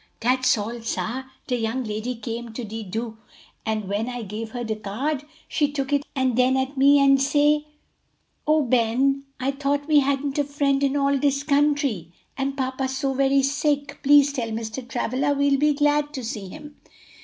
"Dat's all, sah. De young lady come to de do', and when I give her de card, she look at it and den at me an' say, 'O Ben! I thought we hadn't a friend in all dis country! and papa so very sick! Please tell Mr. Travilla we'll be glad to see him.'"